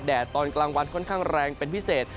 ตอนกลางวันค่อนข้างแรงเป็นพิเศษ